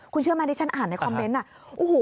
คุณเชื่อมั้ยที่ฉันอ่านในคอมเม้นต์